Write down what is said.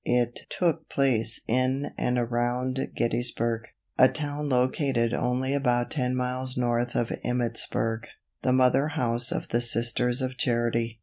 It took place in and around Gettysburg, a town located only about ten miles north of Emmittsburg, the mother house of the Sisters of Charity.